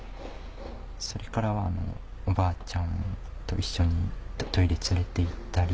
それからはおばあちゃんと一緒にトイレ連れて行ったり。